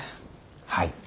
はい。